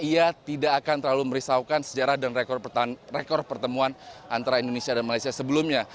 ia tidak akan terlalu merisaukan sejarah dan rekor pertemuan antara indonesia dan malaysia sebelumnya